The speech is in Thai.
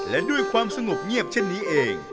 และด้วยความสงบเงียบเช่นนี้เอง